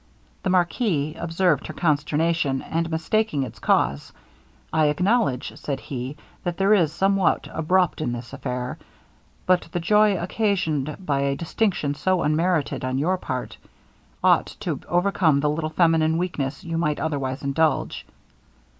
The marquis observed her consternation; and mistaking its cause, 'I acknowledge,' said he, 'that there is somewhat abrupt in this affair; but the joy occasioned by a distinction so unmerited on your part, ought to overcome the little feminine weakness you might otherwise indulge.